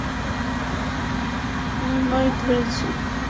আমি মই ধরছি।